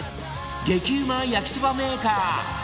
激うま焼きそばメーカー